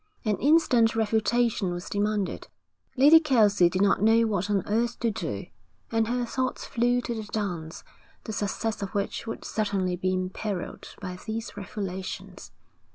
An instant refutation was demanded. Lady Kelsey did not know what on earth to do, and her thoughts flew to the dance, the success of which would certainly be imperilled by these revelations.